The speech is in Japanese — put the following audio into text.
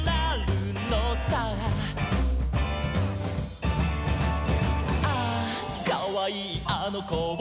「ああかわいいあのこを」